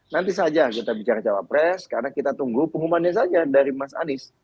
nanti saja kita bicara cawapres karena kita tunggu pengumumannya saja dari mas anies